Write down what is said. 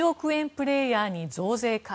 プレーヤーに増税か。